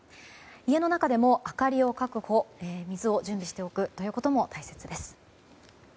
家の中でも明かりを確保水を準備しておくということも大切です。